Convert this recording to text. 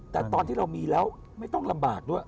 แต่ตอนที่เรามีแล้วไม่ต้องลำบากด้วย